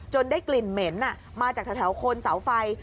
ได้กลิ่นเหม็นมาจากแถวโคนเสาไฟ